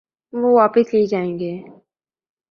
وہ واپس لی جائیں گی۔